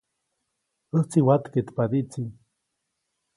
ʼÄjtsi watkeʼtpadiʼtsi.